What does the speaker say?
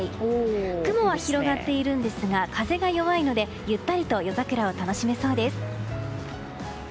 雲は広がっているんですが風が弱いのでゆったりと夜桜を楽しめそうです。